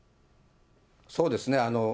そうですね。